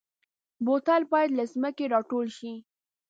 بوتل باید له ځمکې راټول شي.